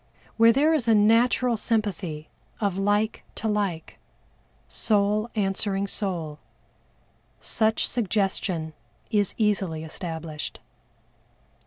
Where there is a natural sympathy of like to like, soul answering soul, such suggestion is easily established.